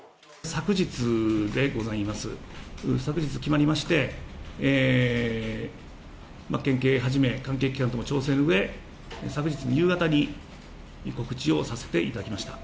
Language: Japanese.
昨日決まりまして、県警はじめ関係機関とも調整のうえ、昨日の夕方に告知をさせていただきました。